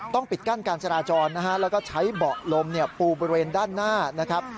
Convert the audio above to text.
ปิดกั้นการจราจรนะฮะแล้วก็ใช้เบาะลมปูบริเวณด้านหน้านะครับ